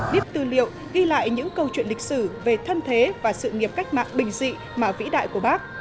viết tư liệu ghi lại những câu chuyện lịch sử về thân thế và sự nghiệp cách mạng bình dị mà vĩ đại của bác